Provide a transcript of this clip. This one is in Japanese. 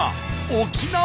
沖縄。